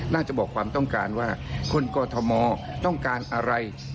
จะบอกความต้องการว่าคนกอทมต้องการอะไร